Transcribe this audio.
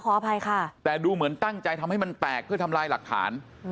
อภัยค่ะแต่ดูเหมือนตั้งใจทำให้มันแตกเพื่อทำลายหลักฐาน